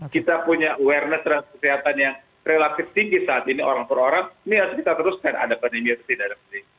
kita punya awareness dan kesehatan yang relatif tinggi saat ini orang per orang ini harus kita teruskan ada pandemi yang tidak ada pandemi